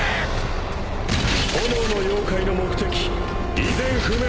炎の妖怪の目的依然不明。